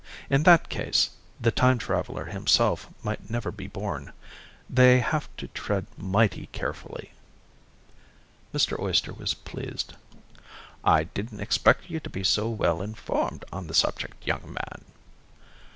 In that case, the time traveler himself might never be born. They have to tread mighty carefully." Mr. Oyster was pleased. "I didn't expect you to be so well informed on the subject, young man."